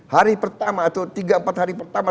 hari pertama atau tiga empat hari pertama